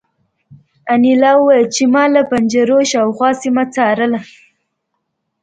انیلا وویل چې ما له پنجرو شاوخوا سیمه څارله